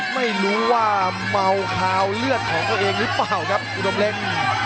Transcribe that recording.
ไม่รู้ว่าเมาคาวเลือดของตัวเองหรือเปล่าครับอุดมเล็ก